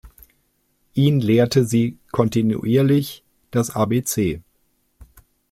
Ihn lehrte sie kontinuierlich das Abc.